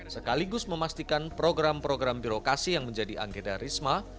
sekaligus memastikan program program birokrasi yang menjadi anggota risma